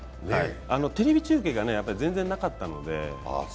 テレビ中継が全然なかったので。